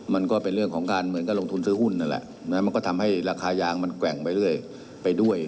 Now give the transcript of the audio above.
มันก็เป็นเรื่องของการเหมือนกับลงทุนซื้อหุ้นนั่นแหละมันก็ทำให้ราคายางมันแกว่งไปเรื่อยไปด้วย